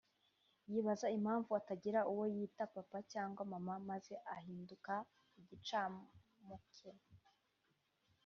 yibaza impamvu atagira uwo yita papa cyagwa mama maze agahinduka igicamuke